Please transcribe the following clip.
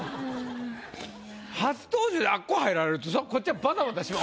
初登場であそこ入られるとこっちはバタバタ。